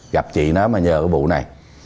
gặp chị nó mà nhờ cái bụi này